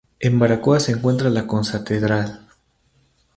En Baracoa se encuentra la concatedral.